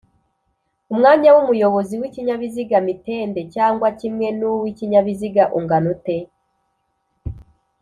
Umwanya w’umuyobozi w’ikinyabiziga mitende cg kimwe n’uwi ikinyabiziga ungana ute